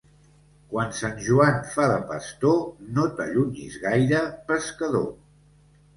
Quan Sant Joan fa de pastor, no t'allunyis gaire, pescador.